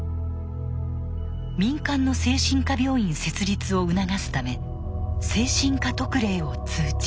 民間の精神科病院設立を促すため「精神科特例」を通知。